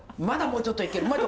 まだもうちょっといける。